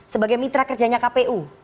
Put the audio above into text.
sebagai mitra kerjanya kpu